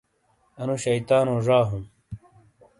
اَنُو شَیطانو زا ہُوں۔